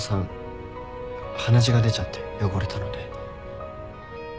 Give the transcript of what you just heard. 鼻血が出ちゃって汚れたので。